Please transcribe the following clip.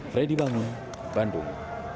fredy bangun bandung